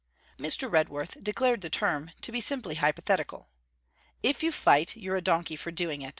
Mr. Redworth declared the term to be simply hypothetical. 'If you fight, you're a donkey for doing it.